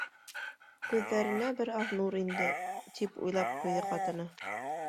Күҙҙәренә бер аҙ нур инде, тип уйлап ҡуйҙы ҡатыны.